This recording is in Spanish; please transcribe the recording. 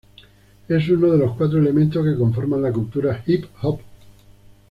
Es uno de los cuatro elementos que conforma la cultura Hip Hop.